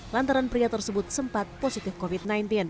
lantaran pria tersebut sempat positif covid sembilan belas